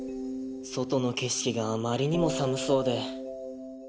外の景色があまりにも寒そうで。